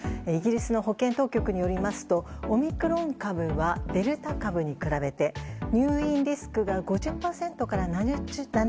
イギリスの保健当局によりますとオミクロン株はデルタ株に比べて入院リスクが５０％から７０％